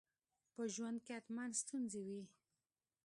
په ژوند کي حتماً ستونزي وي.